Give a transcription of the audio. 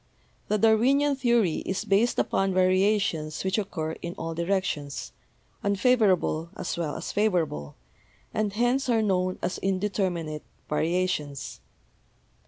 The Darwinian theory is based upon variations which occur in all directions, unfavorable as well as favorable, and hence are known as indeterminate variations.